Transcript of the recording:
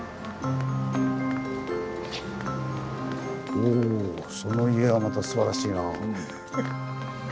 おぉその家はまたすばらしいな。